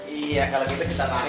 iya kalau gitu kita tarik